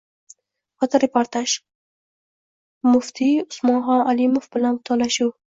Fotoreportaj: Muftiy Usmonxon Alimov bilan vidolashuv